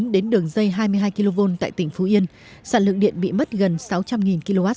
đến đường dây hai mươi hai kv tại tỉnh phú yên sản lượng điện bị mất gần sáu trăm linh kwh